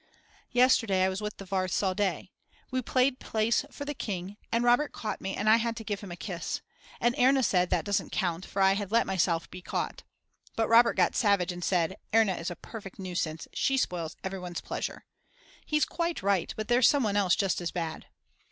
Yesterday I was with the Warths all day. We played Place for the King and Robert caught me and I had to give him a kiss. And Erna said, that doesn't count, for I had let myself be caught. But Robert got savage and said: Erna is a perfect nuisance, she spoils everyone's pleasure. He's quite right, but there's some one else just as bad.